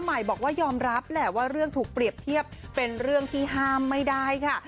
ใหม่บอกว่ายอมรับแหละว่าเรื่องถูกเปรียบเทียบเป็นเรื่องที่ห้ามไม่ได้ค่ะ